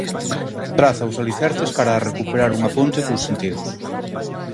Traza os alicerces cara a recuperar unha ponte cos sentidos.